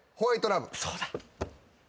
そうだ。